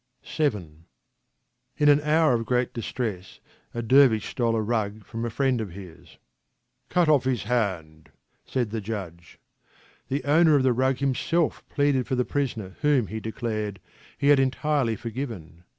VII In an hour of great distress a dervish stole a rug from a friend of his. " Cut off his hand," said the Judge. The owner of the rug himself pleaded for the prisoner whom, he declared, he had entirely forgiven.